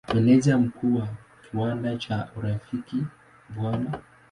Meneja Mkuu wa kiwanda cha Urafiki Bw.